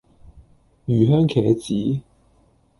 魚香茄子